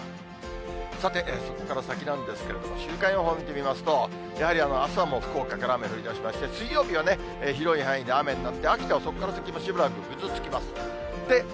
さて、そこから先なんですけれども、週間予報見てみますと、やはりあすはもう福岡から雨降りだしまして、水曜日は広い範囲で雨になって、秋田はそこから先もしばらくぐずつきます。